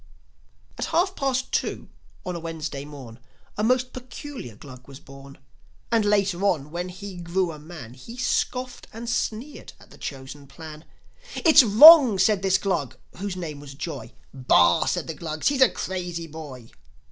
At half past two on a Wednesday morn A most peculiar Glug was born; And later on, when he grew a man, He scoffed and sneered at the Chosen Plan. "It's wrong!" said this Glug, whose name was Joi. "Bah!" said the Glugs. "He's a crazy boy!"